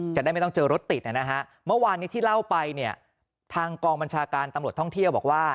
จะได้ไม่ต้องเจอรถติดนะฮะเมื่อวานนี้ที่เล่าไปเนี่ยทางกองบัญชาการตำรวจท่องเที่ยวบอกว่า